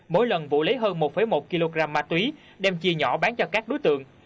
mỗi lần vũ lấy hơn một một kg ma túy đem chia nhỏ bán cho các đối tượng